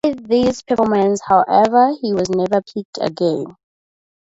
Despite these performances however, he was never picked again.